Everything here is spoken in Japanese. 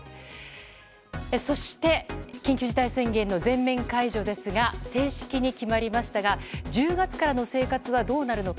そして緊急事態宣言の全面解除ですが正式に決まりましたが１０月からの生活はどうなるのか。